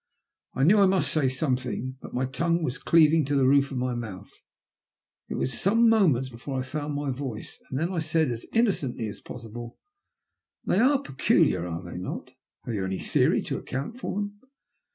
I knew I must say something, but my tongue was cleaving to the roof of my mouth. It was some moments before I found my voice, and then I said as innocently as po3Bible —" They are certainly peculiar, are they not ? Have you any theory to account for them